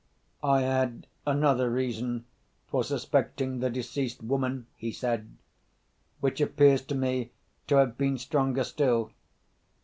"I had another reason for suspecting the deceased woman," he said, "which appears to me to have been stronger still.